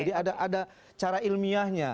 jadi ada cara ilmiahnya